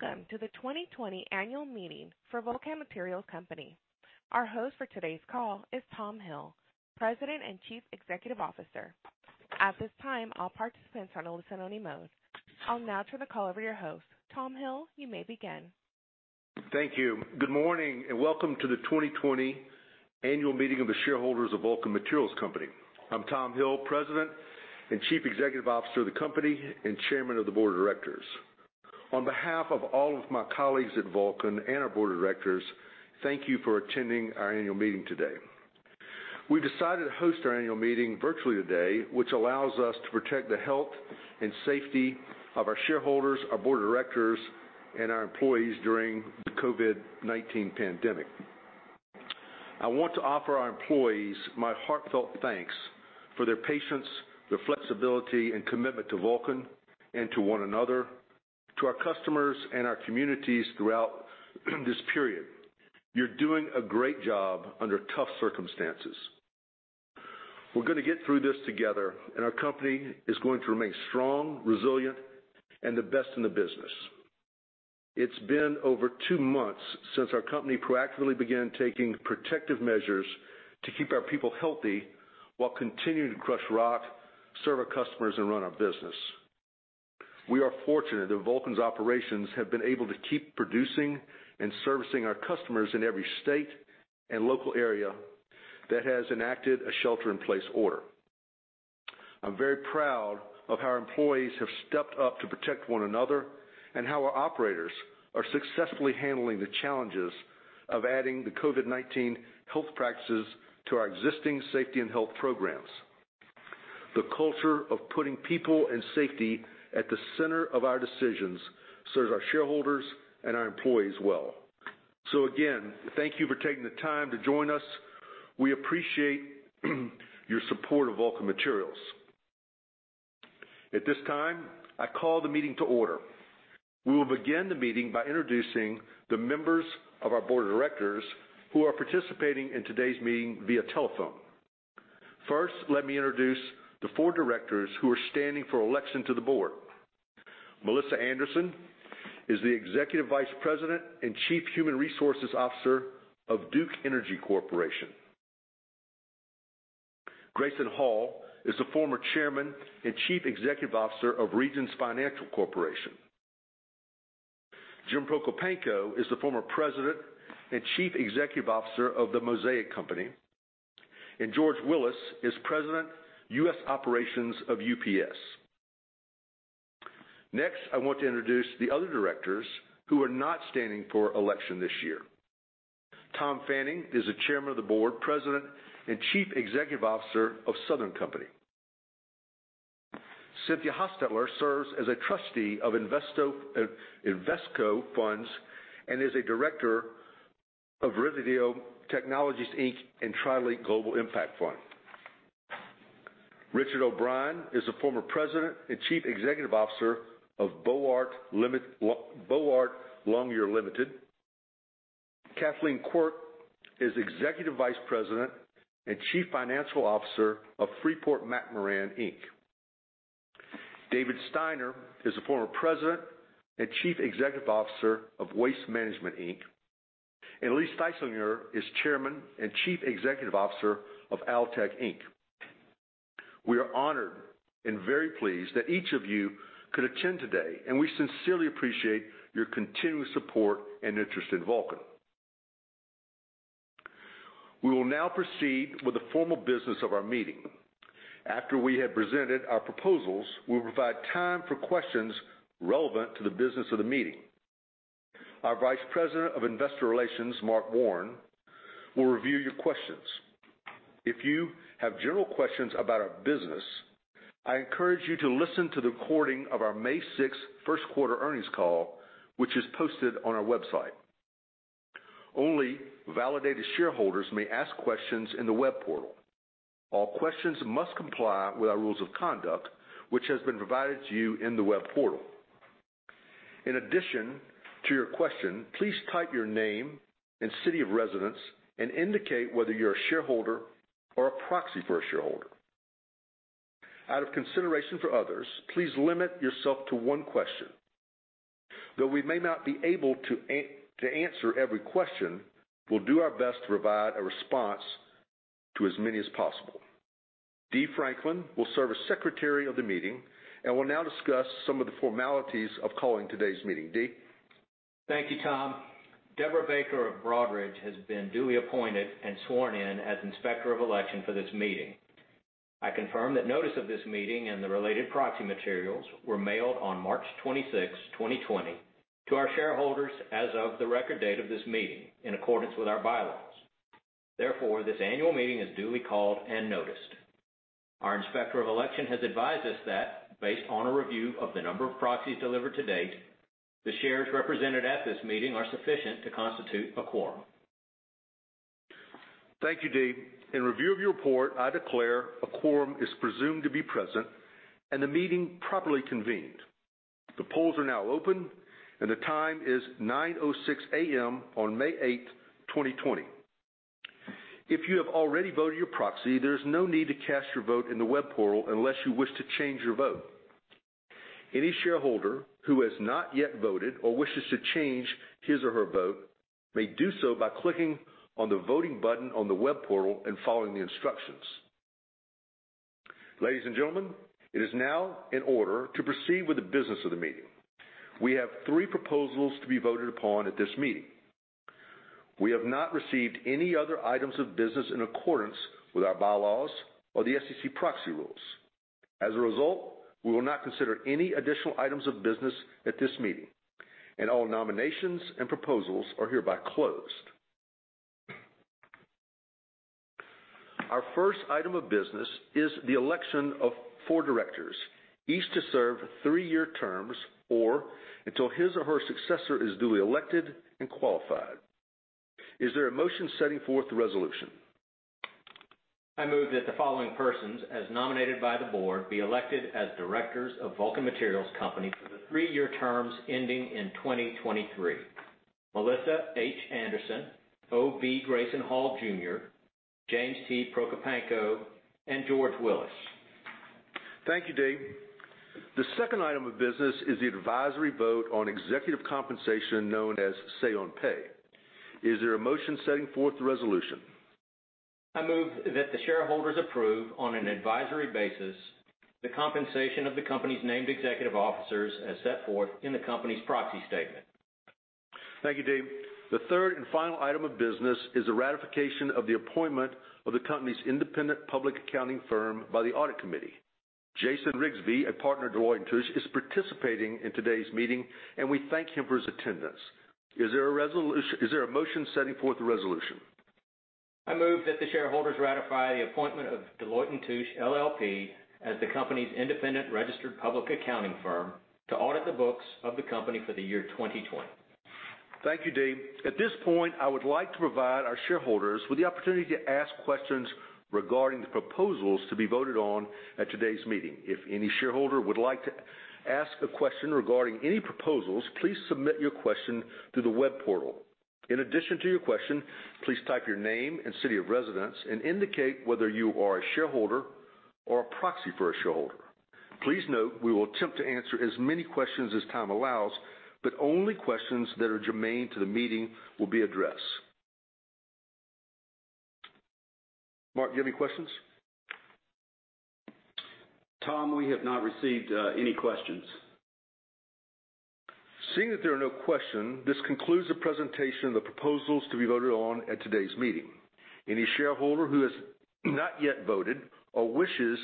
Welcome to the 2020 annual meeting for Vulcan Materials Company. Our host for today's call is Tom Hill, President and Chief Executive Officer. At this time, all participants are in listen-only mode. I'll now turn the call over to your host. Tom Hill, you may begin. Thank you. Good morning, and welcome to the 2020 annual meeting of the shareholders of Vulcan Materials Company. I'm Tom Hill, President and Chief Executive Officer of the company, and Chairman of the Board of Directors. On behalf of all of my colleagues at Vulcan and our board of directors, thank you for attending our annual meeting today. We've decided to host our annual meeting virtually today, which allows us to protect the health and safety of our shareholders, our board of directors, and our employees during the COVID-19 pandemic. I want to offer our employees my heartfelt thanks for their patience, their flexibility, and commitment to Vulcan and to one another, to our customers, and our communities throughout this period. You're doing a great job under tough circumstances. We're going to get through this together, and our company is going to remain strong, resilient, and the best in the business. It's been over two months since our company proactively began taking protective measures to keep our people healthy while continuing to crush rock, serve our customers, and run our business. We are fortunate that Vulcan's operations have been able to keep producing and servicing our customers in every state and local area that has enacted a shelter-in-place order. I'm very proud of how our employees have stepped up to protect one another, and how our operators are successfully handling the challenges of adding the COVID-19 health practices to our existing safety and health programs. The culture of putting people and safety at the center of our decisions serves our shareholders and our employees well. Again, thank you for taking the time to join us. We appreciate your support of Vulcan Materials. At this time, I call the meeting to order. We will begin the meeting by introducing the members of our board of directors who are participating in today's meeting via telephone. First, let me introduce the four directors who are standing for election to the board. Melissa Anderson is the Executive Vice President and Chief Human Resources Officer of Duke Energy Corporation. Grayson Hall is the former Chairman and Chief Executive Officer of Regions Financial Corporation. Jim Prokopanko is the former President and Chief Executive Officer of The Mosaic Company. George Willis is President, U.S. Operations of UPS. Next, I want to introduce the other directors who are not standing for election this year. Tom Fanning is the Chairman of the Board, President and Chief Executive Officer of Southern Company. Cynthia Hostetler serves as a trustee of Invesco Funds and is a director of Resideo Technologies Inc. and TriLinc Global Impact Fund. Richard O'Brien is the former President and Chief Executive Officer of Boart Longyear Limited. Kathleen Quirk is Executive Vice President and Chief Financial Officer of Freeport-McMoRan Inc. David Steiner is the former President and Chief Executive Officer of Waste Management, Inc. Lee Styslinger is Chairman and Chief Executive Officer of Altec Inc. We are honored and very pleased that each of you could attend today, and we sincerely appreciate your continued support and interest in Vulcan. We will now proceed with the formal business of our meeting. After we have presented our proposals, we will provide time for questions relevant to the business of the meeting. Our Vice President of Investor Relations, Mark Warren, will review your questions. If you have general questions about our business, I encourage you to listen to the recording of our May 6th first quarter earnings call, which is posted on our website. Only validated shareholders may ask questions in the web portal. All questions must comply with our rules of conduct, which has been provided to you in the web portal. In addition to your question, please type your name and city of residence and indicate whether you're a shareholder or a proxy for a shareholder. Out of consideration for others, please limit yourself to one question. Though we may not be able to answer every question, we'll do our best to provide a response to as many as possible. Dee Franklin will serve as Secretary of the meeting and will now discuss some of the formalities of calling today's meeting. Dee? Thank you, Tom. Deborah Baker of Broadridge has been duly appointed and sworn in as Inspector of Election for this meeting. I confirm that notice of this meeting and the related proxy materials were mailed on March 26th, 2020 to our shareholders as of the record date of this meeting in accordance with our bylaws. Therefore, this annual meeting is duly called and noticed. Our Inspector of Election has advised us that based on a review of the number of proxies delivered to date, the shares represented at this meeting are sufficient to constitute a quorum. Thank you, Dee. In review of your report, I declare a quorum is presumed to be present and the meeting properly convened. The polls are now open, and the time is 9:00 A.M. on May eighth, 2020. If you have already voted your proxy, there's no need to cast your vote in the web portal unless you wish to change your vote. Any shareholder who has not yet voted or wishes to change his or her vote may do so by clicking on the voting button on the web portal and following the instructions. Ladies and gentlemen, it is now in order to proceed with the business of the meeting. We have three proposals to be voted upon at this meeting. We have not received any other items of business in accordance with our bylaws or the SEC proxy rules. We will not consider any additional items of business at this meeting, and all nominations and proposals are hereby closed. Our first item of business is the election of four directors, each to serve three-year terms or until his or her successor is duly elected and qualified. Is there a motion setting forth the resolution? I move that the following persons, as nominated by the board, be elected as directors of Vulcan Materials Company for the three-year terms ending in 2023. Melissa H. Anderson, O.V. Grayson Hall Jr., James T. Prokopanko, and George Willis. Thank you, Dave. The second item of business is the advisory vote on executive compensation known as Say on Pay. Is there a motion setting forth the resolution? I move that the shareholders approve, on an advisory basis, the compensation of the company's named executive officers as set forth in the company's proxy statement. Thank you, David Steiner. The third and final item of business is the ratification of the appointment of the company's independent public accounting firm by the audit committee. Jason Rigsby, a partner at Deloitte & Touche, is participating in today's meeting, and we thank him for his attendance. Is there a motion setting forth the resolution? I move that the shareholders ratify the appointment of Deloitte & Touche LLP as the company's independent registered public accounting firm to audit the books of the company for the year 2020. Thank you, Dave. At this point, I would like to provide our shareholders with the opportunity to ask questions regarding the proposals to be voted on at today's meeting. If any shareholder would like to ask a question regarding any proposals, please submit your question through the web portal. In addition to your question, please type your name and city of residence and indicate whether you are a shareholder or a proxy for a shareholder. Please note we will attempt to answer as many questions as time allows, but only questions that are germane to the meeting will be addressed. Mark, do you have any questions? Tom, we have not received any questions. Seeing that there are no questions, this concludes the presentation of the proposals to be voted on at today's meeting. Any shareholder who has not yet voted or wishes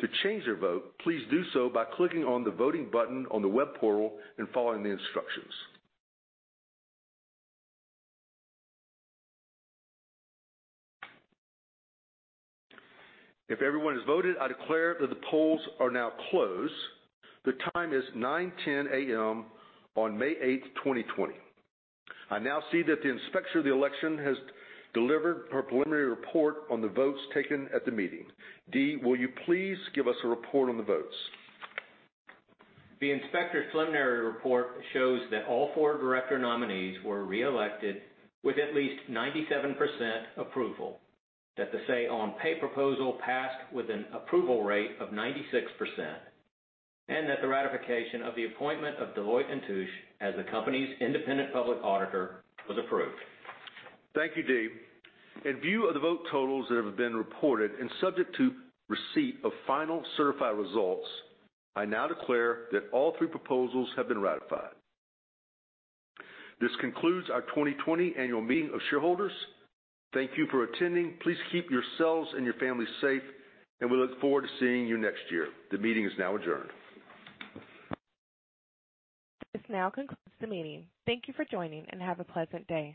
to change their vote, please do so by clicking on the voting button on the web portal and following the instructions. If everyone has voted, I declare that the polls are now closed. The time is 9:10 A.M. on May 8, 2020. I now see that the Inspector of Election has delivered her preliminary report on the votes taken at the meeting. Dee, will you please give us a report on the votes? The inspector's preliminary report shows that all four director nominees were reelected with at least 97% approval, that the Say on Pay proposal passed with an approval rate of 96%, and that the ratification of the appointment of Deloitte & Touche as the company's independent public auditor was approved. Thank you, Dave. In view of the vote totals that have been reported and subject to receipt of final certified results, I now declare that all three proposals have been ratified. This concludes our 2020 annual meeting of shareholders. Thank you for attending. Please keep yourselves and your families safe, and we look forward to seeing you next year. The meeting is now adjourned. This now concludes the meeting. Thank you for joining, and have a pleasant day.